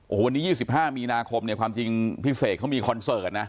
โอ้โหวันนี้๒๕มีนาคมเนี่ยความจริงพี่เสกเขามีคอนเสิร์ตนะ